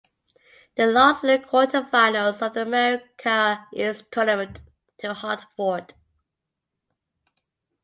They lost in the quarterfinals of the America East Tournament to Hartford.